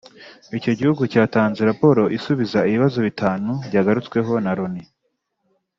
icyo gihugu cyatanze raporo isubiza ibibazo bitanu byagarutsweho na Loni